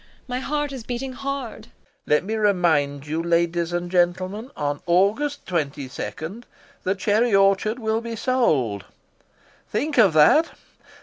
My heart is beating hard. LOPAKHIN. Let me remind you, ladies and gentlemen, on August 22 the cherry orchard will be sold. Think of that!...